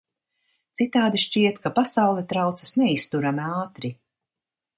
Citādi šķiet, ka pasaule traucas neizturami ātri.